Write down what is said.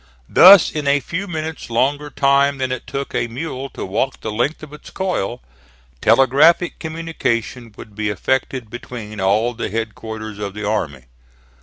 Thus, in a few minutes longer time than it took a mule to walk the length of its coil, telegraphic communication would be effected between all the headquarters of the army.